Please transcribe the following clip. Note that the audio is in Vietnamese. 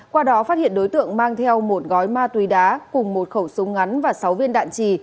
qua đó phát hiện đối tượng mang theo một gói ma túy đá cùng một khẩu súng ngắn và sáu viên đạn trì